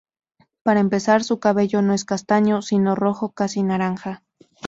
Para empezar su cabello no es castaño, sino rojo, casi naranja.